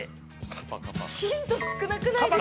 ◆ヒント少なくないですか。